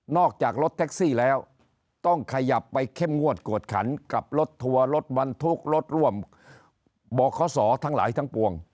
จากรถแท็กซี่แล้วต้องขยับไปเข้มงวดกวดขันกับรถทัวร์รถบรรทุกรถร่วมบขศทั้งหลายทั้งปวง